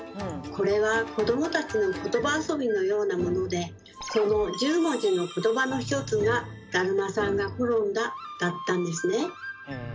これは子どもたちのことば遊びのようなものでその１０文字のことばの一つが「だるまさんがころんだ」だったんですね。